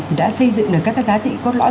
thì đã xây dựng được các cái giá trị cốt lõi